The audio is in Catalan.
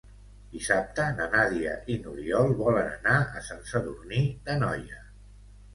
Dissabte na Nàdia i n'Oriol volen anar a Sant Sadurní d'Anoia.